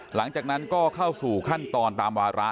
หลังจากนั้นก็เข้าสู่ขั้นตอนตามวาระ